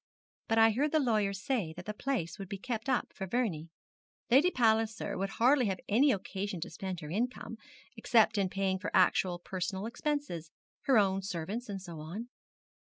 But I heard the lawyer say that the place would be kept up for Vernie. Lady Palliser would hardly have any occasion to spend her income, except in paying for actual personal expenses, her own servants, and so on.'